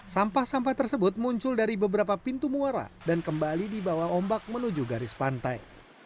sampah sampah tersebut muncul dari beberapa pintu muara dan kembali dibawa ombak menuju garis pantai